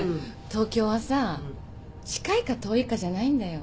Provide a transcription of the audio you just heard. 東京はさ近いか遠いかじゃないんだよ。